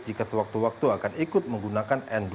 jika sewaktu waktu akan ikut menggunakan n dua ratus sembilan belas